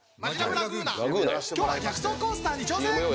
今日は逆走コースターに挑戦！